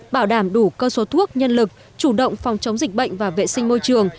bảo đảm đủ cơ số thuốc nhân lực chủ động phòng chống dịch bệnh và vệ sinh môi trường